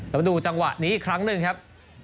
มาดูจังหวะนี้อีกครั้งหนึ่งครับ